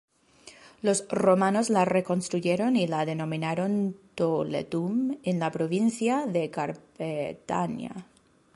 Los romanos la reconstruyeron y la denominaron Toletum, en la provincia de Carpetania.